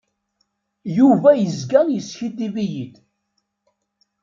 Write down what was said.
Yuba yezga yeskiddib-iyi-d.